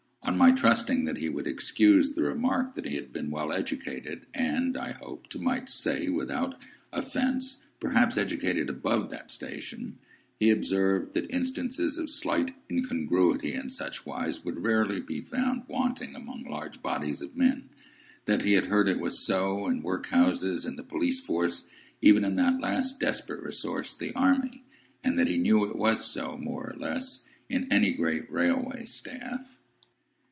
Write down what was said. On my trusting that he would excuse the remark that he had been well educated, and (I hoped I might say without offence) perhaps educated above that station, he observed that instances of slight incongruity in such wise would rarely be found wanting among large bodies of men; that he had heard it was so in workhouses, in the police force, even in that last desperate resource, the army; and that he knew it was so, more or less, in any great railway staff.